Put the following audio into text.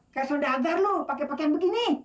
kaya sodagar lu pake pakean begini